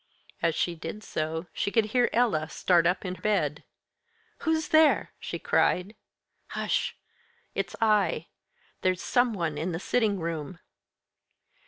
As she did so, she could hear Ella start up in bed. "Who's there?" she cried. "Hush! It's I. There's some one in the sitting room."